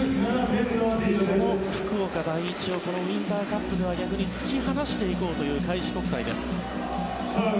その福岡第一をこのウインターカップでは突き放していこうという開志国際です。